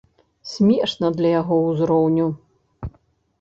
Смешна для яго ўзроўню.